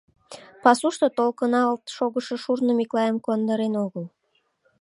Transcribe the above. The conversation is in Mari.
Пасушто толкыналт шогышо шурно Миклайым куандарен огыл.